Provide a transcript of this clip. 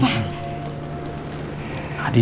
di sini kamarnya adi pak